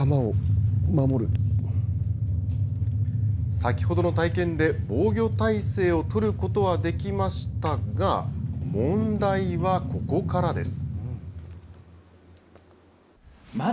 先ほどの体験で防御態勢を取ることはできましたが、問題はここからです。